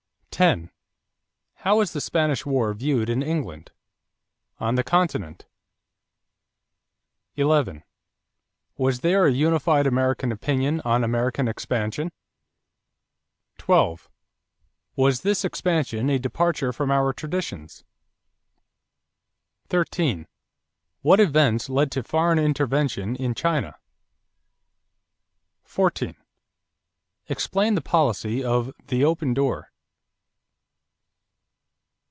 10. How was the Spanish War viewed in England? On the Continent? 11. Was there a unified American opinion on American expansion? 12. Was this expansion a departure from our traditions? 13. What events led to foreign intervention in China? 14. Explain the policy of the "open door."